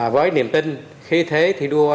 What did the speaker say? với niềm tin khi thế thì đua